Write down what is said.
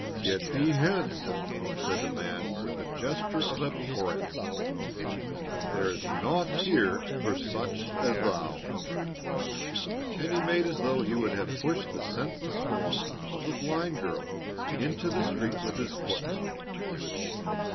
"Get thee hence!" said the man with a gesture of abhorrence. "There is naught here for such as thou," and he made as though he would have pushed the senseless form of the blind girl into the street with his foot.